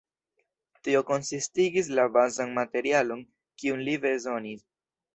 Tio konsistigis la bazan materialon, kiun li bezonis.